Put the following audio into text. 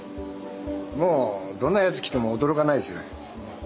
もうどんなやつ来ても驚かないですよ。